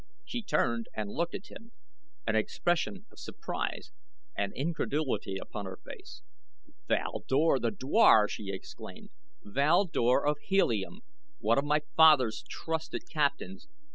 She turned and looked at him, an expression of surprise and incredulity upon her face. "Val Dor, the dwar!" she exclaimed. "Val Dor of Helium one of my father's trusted captains!